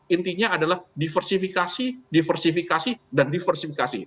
intinya adalah diversifikasi diversifikasi dan diversifikasi